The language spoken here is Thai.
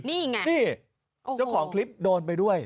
นี่ไงนี่เจ้าของคลิปโดนไปด้วย